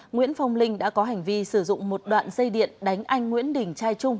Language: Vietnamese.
nguyễn phong linh đã có hành vi sử dụng một đoạn dây điện đánh anh nguyễn đình trai trung